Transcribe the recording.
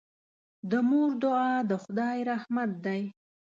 د مور دعا د خدای رحمت دی.